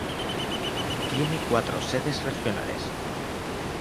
Tiene cuatros sedes regionales.